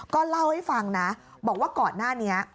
ก็เล่าให้ฟังนะบอกว่าก่อนหน้านี้